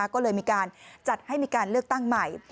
ก็เลยมีการจัดให้มีการเลือกตั้งใหม่